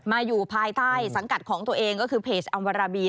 อยู่ภายใต้สังกัดของตัวเองก็คือเพจอัมวาราบี